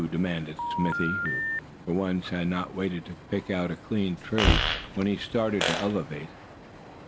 demanded Smithy, who for once had not waited to pick out a clean tree, when he started to "elevate."